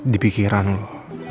di pikiran lo